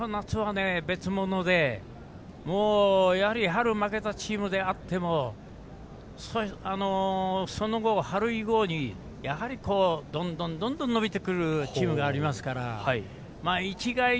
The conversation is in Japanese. ただ、春と夏は別物でやはり春負けたチームであってもその後、春以降にどんどん伸びてくるチームがありますから。